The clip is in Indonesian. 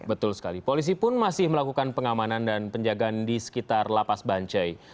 betul sekali polisi pun masih melakukan pengamanan dan penjagaan di sekitar lapas bancai